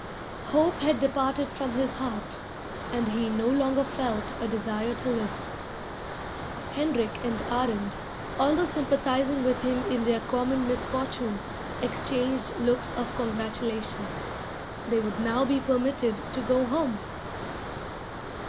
Hope had departed from his heart, and he no longer felt a desire to live. Hendrik and Arend, although sympathising with him in their common misfortune, exchanged looks of congratulation. They would now be permitted to go home.